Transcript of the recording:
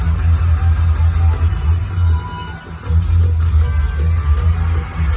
เราจะช่วยความสนุกกำลัง